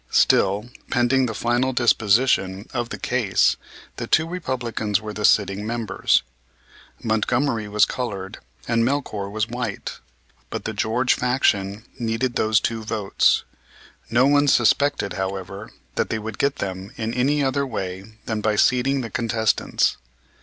Still, pending the final disposition of the case, the two Republicans were the sitting members. Montgomery was colored and Melchoir was white. But the George faction needed those two votes. No one suspected, however, that they would get them in any other way than by seating the contestants.